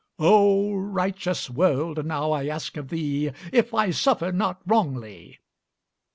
"O righteous world! Now I ask of thee If I suffered not wrongly?"